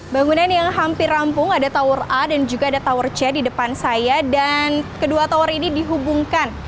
bangunan yang hampir rampung ada tower a dan juga ada tower c di depan saya dan kedua tower ini dihubungkan